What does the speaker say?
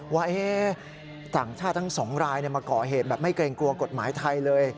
ว่าต่างชาติทั้ง๒รายมาก่อเหตุแบบไม่เกรงกลัวกฎหมายไทยเลย